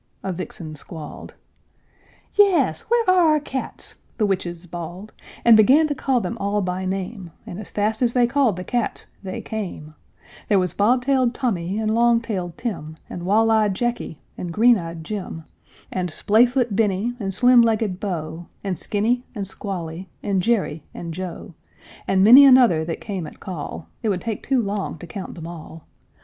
a vixen squalled. "Yes, where are our cats?" the witches bawled, And began to call them all by name: As fast as they called the cats, they came: There was bob tailed Tommy and long tailed Tim, And wall eyed Jacky and green eyed Jim, And splay foot Benny and slim legged Beau, And Skinny and Squally, and Jerry and Joe, And many another that came at call, It would take too long to count them all.